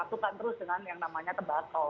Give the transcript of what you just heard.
masukkan terus dengan yang namanya tembakau